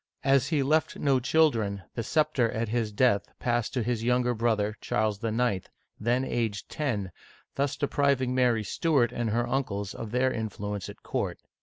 As he left no children, the scepter, at his death, passed on to his younger brother, Charles IX:, then aged ten, thus depriving Mary Stuart and her uncles of their influence at court.